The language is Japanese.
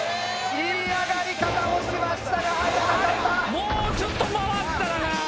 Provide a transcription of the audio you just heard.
もうちょっと回ったらな。